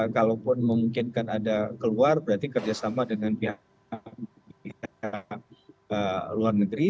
kalaupun memungkinkan ada keluar berarti kerjasama dengan pihak luar negeri